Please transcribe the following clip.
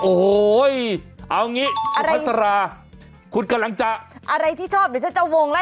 โอ้โหเอางี้อสุภัสราคุณกำลังจะอะไรที่ชอบเดี๋ยวฉันจะวงแล้ว